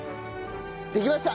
できました。